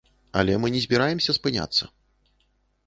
Але мы не збіраемся спыняцца.